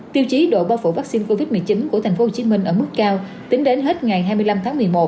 tiêu chí độ bao phủ vaccine covid một mươi chín của tp hcm ở mức cao tính đến hết ngày hai mươi năm tháng một mươi một